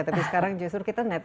tapi sekarang justru kita net